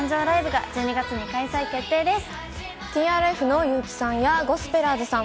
−ＬＩＶＥ−』が１２月に開催決定です。